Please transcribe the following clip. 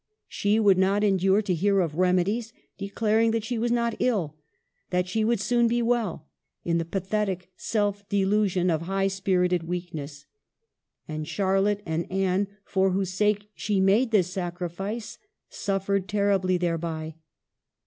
She would not endure to hear of remedies ; declaring that she was not ill, that she would soon be well, in the pathetic self delusion of high spirited weakness. And Charlotte and Anne, for whose sake she made this sacrifice, suffered terribly thereby.